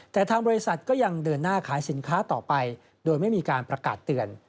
แต่ทางบริษัทก็ยังเดินหน้าขายสินค้าต่อไปโดยไม่มีการประกาศเตือน